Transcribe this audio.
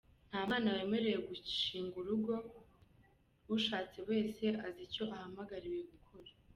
Nta mwana wemerewe gushinga urugo, ushatse wese aba azi icyo ahamagariwe gukora.